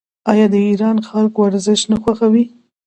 آیا د ایران خلک ورزش نه خوښوي؟